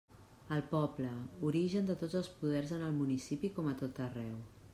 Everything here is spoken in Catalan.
El poble, origen de tots els poders en el municipi com a tot arreu.